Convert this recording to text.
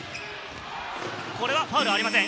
これはファウルありません。